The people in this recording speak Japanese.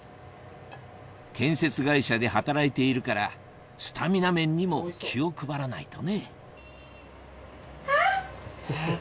建設会社で働いているからスタミナ面にも気を配らないとねあぁ！